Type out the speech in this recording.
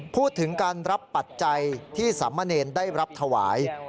พูดถึงการรับปัจจัยที่สามเณรได้รับถวาย